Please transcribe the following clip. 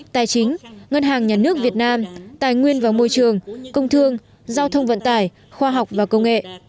tài chính ngân hàng nhà nước việt nam tài nguyên và môi trường công thương giao thông vận tải khoa học và công nghệ